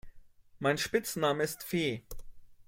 Mein Spitzname ist Fee.